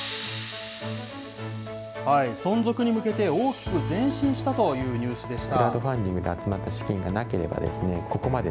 存続に向けて、大きく前進したというニュースでした。